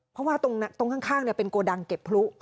เพราะว่าตรงข้างเป็นโกดังเก็บพลุ